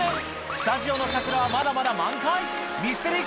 スタジオの桜はまだまだ満開ミステリー